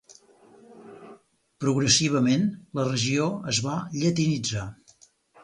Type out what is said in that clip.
Progressivament la regió es va llatinitzar.